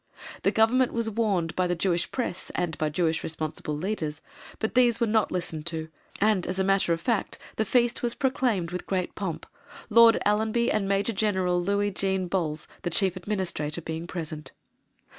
The Government was warned by the Jewish press, and by Jewish responsible leaders, but these were not listened to, and, as a matter of fact, the Feast was proclaimed with great pomp, Lord Allenby and Major General Louis Jean Bols, the Chief Administrator, being present....